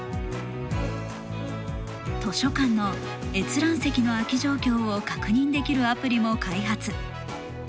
図書館の閲覧席の空き状況を確認できるアプリも開発。